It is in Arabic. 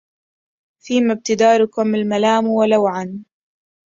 فيم ابتداركم الملام ولوعا